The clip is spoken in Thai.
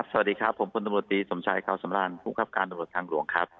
สวัสดีครับผมคนตำรวจตีสมชายเขาสำราญผู้คับการตำรวจทางหลวงครับ